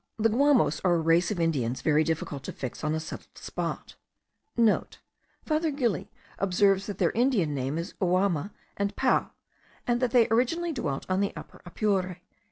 The Guamos* are a race of Indians very difficult to fix on a settled spot. (* Father Gili observes that their Indian name is Uamu and Pau, and that they originally dwelt on the Upper Apure.)